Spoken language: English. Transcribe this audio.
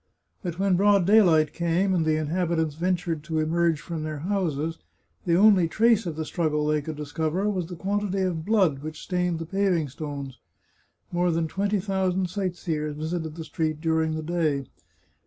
But when broad daylight came, and the inhabitants ventured to emerge from their houses, the only trace of the struggle they could discover was the quantity of blood which stained the paving stones. More than twenty thousand sightseers visited the street during the day.